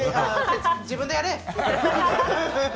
自分でやれ！